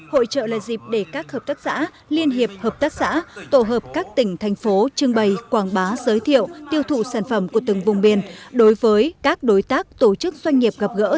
hội trợ là dịp để các hợp tác xã liên hiệp hợp tác xã tổ hợp các tỉnh thành phố trưng bày quảng bá giới thiệu tiêu thụ sản phẩm của từng vùng biển đối với các đối tác tổ chức doanh nghiệp gặp gỡ